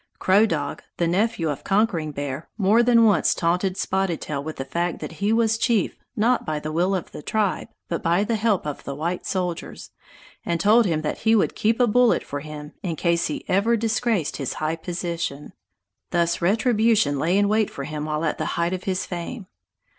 Crow Dog, the nephew of Conquering Bear, more than once taunted Spotted Tail with the fact that he was chief not by the will of the tribe, but by the help of the white soldiers, and told him that he would "keep a bullet for him" in case he ever disgraced his high position. Thus retribution lay in wait for him while at the height of his fame.